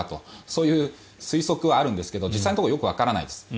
そういう推測はあるんですが実際のところはよくわからないです。